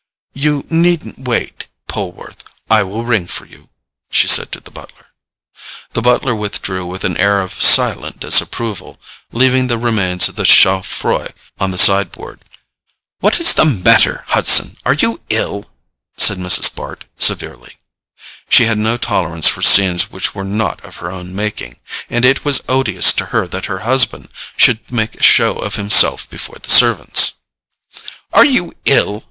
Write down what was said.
"You needn't wait, Poleworth—I will ring for you," she said to the butler. The butler withdrew with an air of silent disapproval, leaving the remains of the CHAUFROIX on the sideboard. "What is the matter, Hudson? Are you ill?" said Mrs. Bart severely. She had no tolerance for scenes which were not of her own making, and it was odious to her that her husband should make a show of himself before the servants. "Are you ill?"